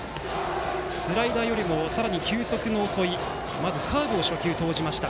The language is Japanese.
スライダーよりもさらに球速の遅いまずカーブを初球で投じました。